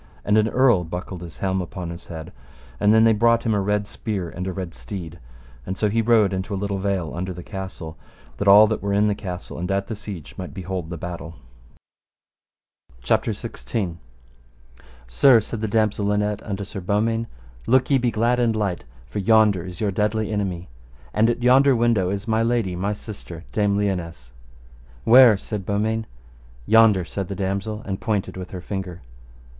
And an earl buckled his helm upon his head, and then they brought him a red spear and a red steed, and so he rode into a little vale under the castle, that all that were in the castle and at the siege might behold the battle. CHAPTER XVI. How the two knights met together, and of their talking, and how they began their battle. Sir, said the damosel Linet unto Sir Beaumains, look ye be glad and light, for yonder is your deadly enemy, and at yonder window is my lady, my sister, Dame Lionesse. Where? said Beaumains. Yonder, said the damosel, and pointed with her finger.